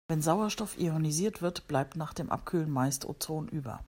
Wenn Sauerstoff ionisiert wird, bleibt nach dem Abkühlen meist Ozon über.